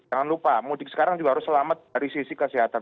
jangan lupa mudik sekarang juga harus selamat dari sisi kesehatan